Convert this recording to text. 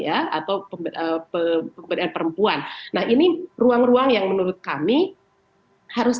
atau pemberdayaan perempuan nah ini ruang ruang yang menurut kami harus